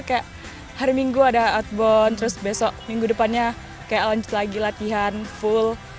kayak hari minggu ada outbound terus besok minggu depannya kayak alunch lagi latihan full